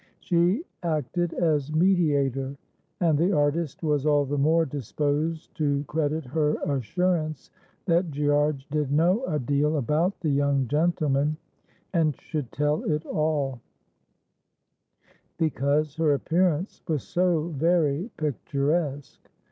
She acted as mediator, and the artist was all the more disposed to credit her assurance that "Gearge did know a deal about the young gentleman, and should tell it all," because her appearance was so very picturesque.